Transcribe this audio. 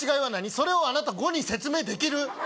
それをあなた５に説明できる？